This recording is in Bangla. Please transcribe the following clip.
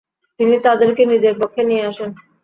তিনি তাদেরকে নিজের পক্ষে নিয়ে আসেন।